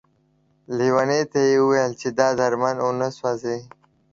ليوني ته يې ويل دا درمند ونه سوځې ،